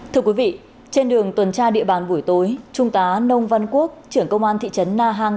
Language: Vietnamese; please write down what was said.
thưa quý vị trên đường tuần tra địa bàn buổi tối trung tá nông văn quốc trưởng công an thị trấn na hàng